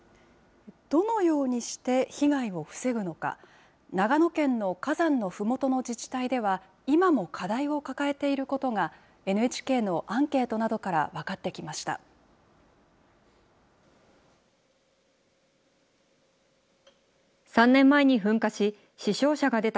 どのようにして被害を防ぐのか、長野県の火山のふもとの自治体では、今も課題を抱えていることが、ＮＨＫのアンケートなどから分かってきました。